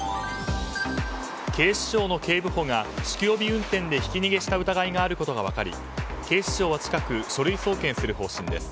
警視庁の警部補が酒気帯び運転でひき逃げした疑いがあることが分かり警視庁は近く書類送検する方針です。